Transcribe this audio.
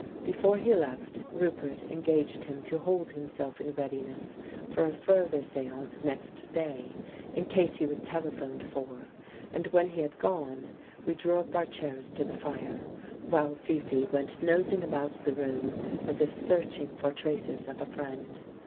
Before he left, Roupert engaged him to hold himself in readiness for a further seance next day, in case he was telephoned for ; and when he had gone, we drew up our chairs to the fire, while Fifi went nosing about the room as if searching for traces of a friend.